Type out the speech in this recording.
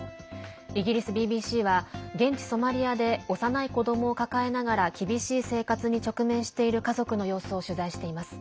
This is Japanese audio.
イギリスＢＢＣは現地ソマリアで幼い子どもを抱えながら厳しい生活に直面している家族の様子を取材しています。